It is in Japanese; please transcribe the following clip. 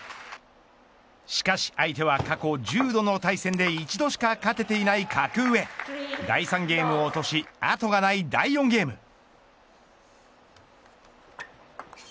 しかし相手は過去１０度の対戦で一度しか勝てていない格上第３ゲームを落とし後がない第４ゲーム。